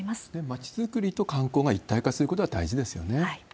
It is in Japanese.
町づくりと観光が一体化することが大事ですよね。